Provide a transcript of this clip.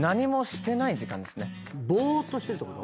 ぼーっとしてるってこと？